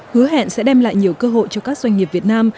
hứa hẹn sẽ đem lại nhiều cơ hội cho các doanh nghiệp việt nam